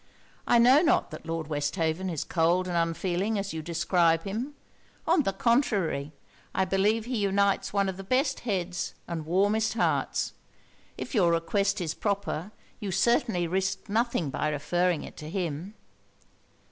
I know not that Lord Westhaven is cold and unfeeling as you describe him: on the contrary, I believe he unites one of the best heads and warmest hearts. If your request is proper, you certainly risk nothing by referring it to him.'